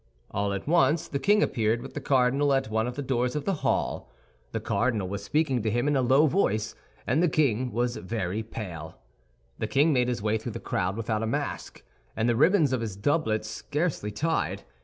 All at once the king appeared with the cardinal at one of the doors of the hall. The cardinal was speaking to him in a low voice, and the king was very pale. The king made his way through the crowd without a mask, and the ribbons of his doublet scarcely tied.